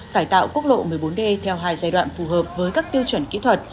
cải tạo quốc lộ một mươi bốn d theo hai giai đoạn phù hợp với các tiêu chuẩn kỹ thuật